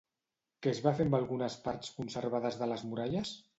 Què es va fer amb algunes parts conservades de les muralles?